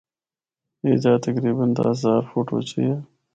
اے جآ تقریبا دس ہزار فٹ اُچی ہے۔